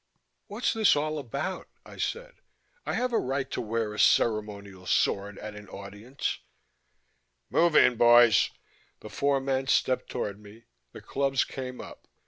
"What's this all about?" I said. "I have a right to wear a Ceremonial Sword at an Audience " "Move in, boys!" The four men stepped toward me, the clubs came up.